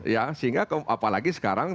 ya sehingga apalagi sekarang